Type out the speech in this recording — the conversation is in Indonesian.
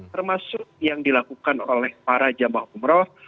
termasuk yang dilakukan oleh para jamaah umroh